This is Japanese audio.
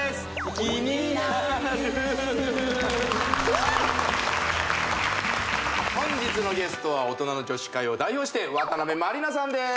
キニナル本日のゲストは大人の女史会を代表して渡辺満里奈さんです